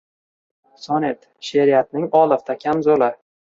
Sonet – she’riyatning olifta kamzuli.